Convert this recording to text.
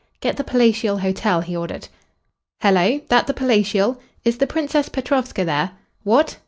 "Get the Palatial Hotel," he ordered. "Hello! That the Palatial? Is the Princess Petrovska there? What?